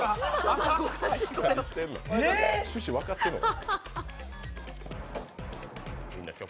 趣旨分かってんのか？